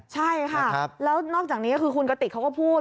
ใช่ค่ะแล้วนอกจากนี้คือคุณกติกเขาก็พูด